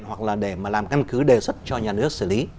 hoặc là để mà làm căn cứ đề xuất cho nhà nước xử lý